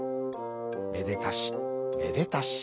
めでたしめでたし。